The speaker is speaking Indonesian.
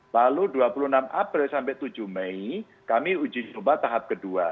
lalu dua puluh enam april sampai tujuh mei kami uji coba tahap kedua